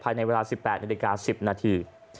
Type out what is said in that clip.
ภายในเวลา๑๘นาฬิกา๑๐นาที